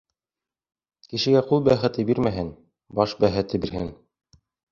Кешегә ҡул бәхете бирмәһен, баш бәхете бирһен.